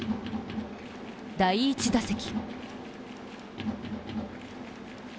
第１打席。